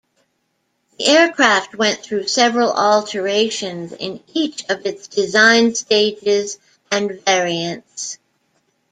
The aircraft went through several alterations in each of its design stages and variants.